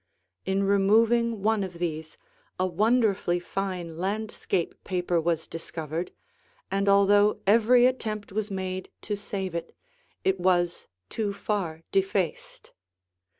In removing one of these, a wonderfully fine landscape paper was discovered, and although every attempt was made to save it, it was too far defaced.